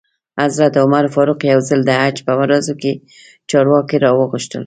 حضرت عمر فاروق یو ځل د حج په ورځو کې چارواکي را وغوښتل.